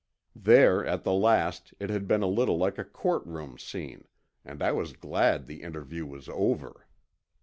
There at the last, it had been a little. like a courtroom scene, and I was glad the interview was over.